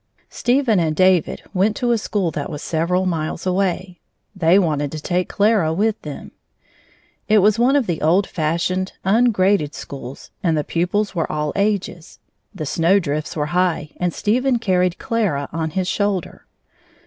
Stephen and David went to a school that was several miles away. They wanted to take Clara with them. It was one of the old fashioned, ungraded schools, and the pupils were all ages. The snowdrifts were high, and Stephen carried Clara on his shoulder.